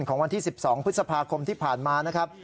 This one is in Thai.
ของวันที่๑๒พฤษภาคมที่ผ่านมานะครับ